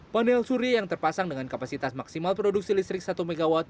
panel surya yang terpasang dengan kapasitas maksimal produksi listrik satu mw